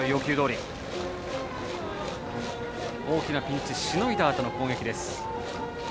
大きなピンチをしのいだあとの攻撃です。